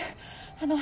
あの。